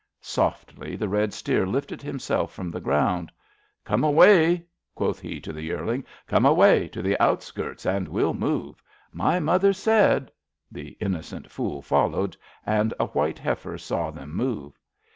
'' Softly the red steer lifted himself from the ground. Come away," quoth he to the yearling. Come away to the outskirts, and we'll move. My mother said ..." The innocent fool followed, and a white heifer saw them move.